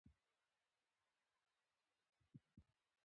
ایا دا ژمنه عملي کېدای شي؟